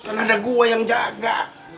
kan ada gue yang jaga